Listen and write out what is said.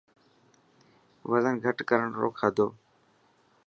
وزن گهٽ ڪرڻ رو کادو.